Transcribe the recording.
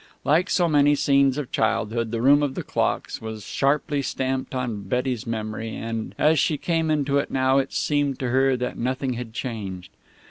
Like so many scenes of childhood, the room of the clocks was sharply stamped on Betty's memory, and, as she came into it now, it seemed to her that nothing had changed.